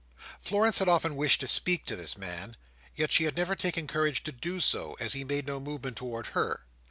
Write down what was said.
Florence had often wished to speak to this man; yet she had never taken courage to do so, as he made no movement towards her.